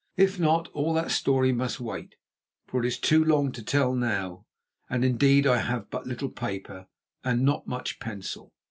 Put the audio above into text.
If not, all that story must wait, for it is too long to tell now, and, indeed, I have but little paper, and not much pencil.